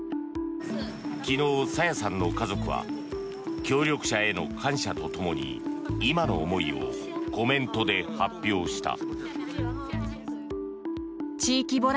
昨日、朝芽さんの家族は協力者への感謝とともに今の思いをコメントで発表した。